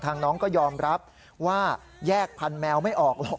น้องก็ยอมรับว่าแยกพันแมวไม่ออกหรอก